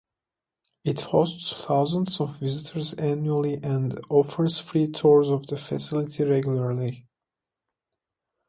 It hosts thousands of visitors annually and offers free tours of the facility regularly.